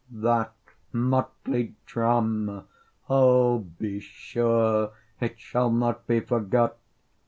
That motley drama oh, be sure It shall not be forgot!